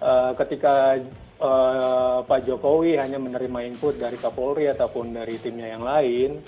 nah ketika pak jokowi hanya menerima input dari kapolri ataupun dari timnya yang lain